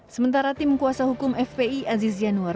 sementara tim kuasa hukum fpi aziz yanuar